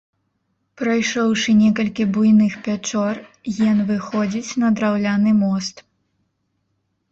Прайшоўшы некалькі буйных пячор, ен выходзіць на драўляны мост.